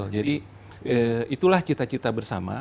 jadi itulah cita cita bersama